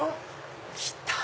来た！